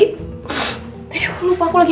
tadi aku lupa aku lagi